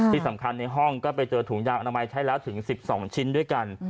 ที่สำคัญในห้องก็ไปเจอถุงยางอนามัยใช้แล้วถึง๑๒ชิ้นด้วยกัน